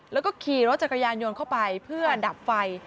แล้วก็ขี่รถจักรยานยนต์เข้าไปเพื่อดับไฟ